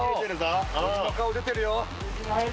顔出てるよ！